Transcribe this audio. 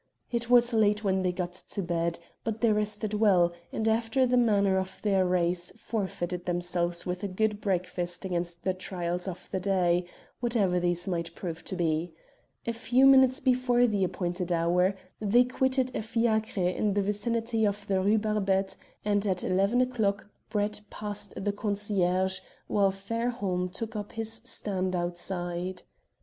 It was late when they got to bed, but they rested well, and, after the manner of their race, fortified themselves with a good breakfast against the trials of the day, whatever these might prove to be. A few minutes before the appointed hour they quitted a fiacre in the vicinity of the Rue Barbette, and at eleven o'clock Brett passed the concierge, whilst Fairholme took up his stand outside.